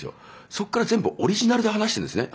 そっから全部オリジナルで話してるんですね